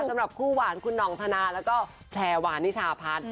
สำหรับคู่หวานคุณห่องธนาแล้วก็แพรวานิชาพัฒน์